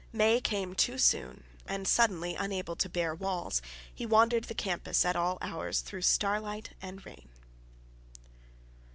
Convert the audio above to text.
May came too soon, and suddenly unable to bear walls, he wandered the campus at all hours through starlight and rain.